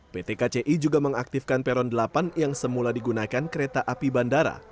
pt kci juga mengaktifkan peron delapan yang semula digunakan kereta api bandara